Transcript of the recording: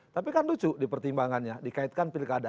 tapi kan lucu di pertimbangannya dikaitkan pilkada